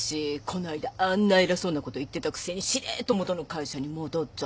この間あんな偉そうなこと言ってたくせにしれっと元の会社に戻っちゃってさ。